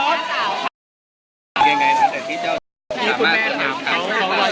คุณแม่ของเขาว่าอย่างไรบ้างนะครับ